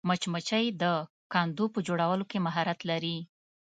مچمچۍ د کندو په جوړولو کې مهارت لري